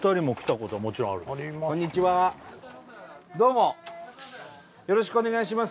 こんにちはどうもよろしくお願いします